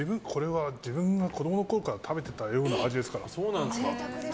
自分は子供のころから食べてたような味ですから。